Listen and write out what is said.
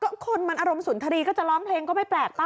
ก็คนมันอารมณ์สุนทรีย์ก็จะร้องเพลงก็ไม่แปลกป่